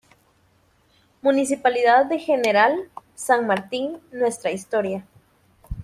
Municipalidad de General San Martín: "Nuestra Historia"